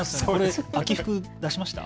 秋服、出しました？